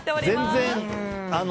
全然。